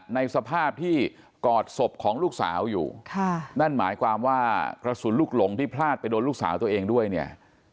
ในสภาพที่กอดศพของลูกสาวอยู่ค่ะนั่นหมายความว่ากระสุนลูกหลงที่พลาดไปโดนลูกสาวตัวเองด้วยเนี่ย